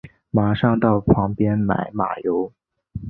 马上去旁边买马油